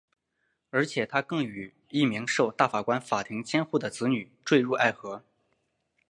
而且他更与一名受大法官法庭监护的女子堕入爱河。